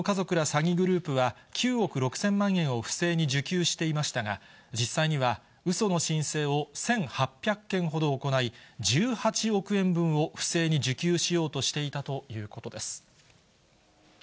詐欺グループは、９億６０００万円を不正に受給していましたが、実際にはうその申請を１８００件ほど行い、１８億円分を不正に受給しようとしていたということです。